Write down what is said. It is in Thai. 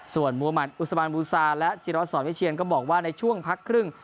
ส่วนมุมัติอุสบานบูซาและจิรัสสอนวิเชียนก็บอกว่าในช่วงพักครึ่ง